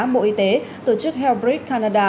bộ y tế tổ chức health bridge canada